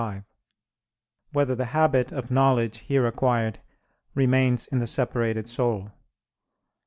5] Whether the Habit of Knowledge Here Acquired Remains in the Separated Soul?